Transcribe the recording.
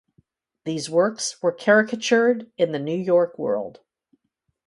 These works were caricatured in the New York World.